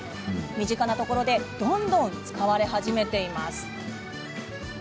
身近なところでどんどん使われ始めています。